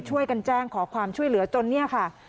ช่วยกันแจ้งขอความช่วยเหลือจนเนี่ยค่ะ